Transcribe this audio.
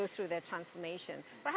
untuk melalui perubahan mereka